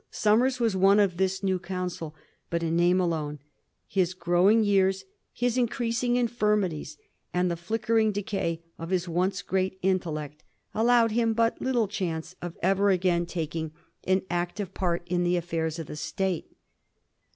Somers was one of this new Council, but in name alone ; his growing years, his increasing infirmities, and the flickering decay of his once great intellect, aQowed him but little chance of ever again taking an active Digiti zed by Google 1714 THE NEW PARLIAMENT. 135 part in the affairs of the State.